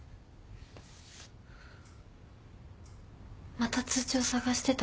また通帳捜してたの？